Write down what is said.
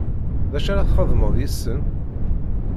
D acu ara txedmeḍ yes-sen.